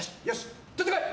とってこい！